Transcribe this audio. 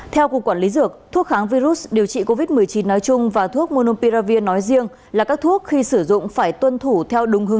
theo cục quản lý dược thuốc kháng virus điều trị covid một mươi chín nói chung và thuốc monopiravir nói riêng là các thuốc khi sử dụng phải tuân thủ theo đối với các thuốc